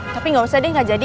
tapi gak usah deh gak jadi